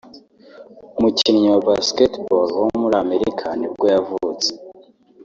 umukinnyi wa basketball wo muri Amerika nibwo yavutse